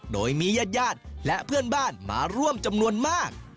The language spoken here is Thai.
โดยมีญาติญาติและเพื่อนบ้านมาร่วมจำนวนมาก